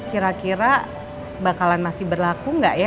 kira kira bakalan masih berlaku nggak ya